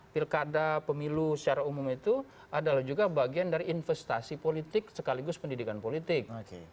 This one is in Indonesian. pilkada pemilu secara umum itu adalah juga bagian dari investasi politik sekaligus pendidikan politik